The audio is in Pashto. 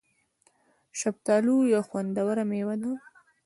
شفتالو یو خوندوره مېوه ده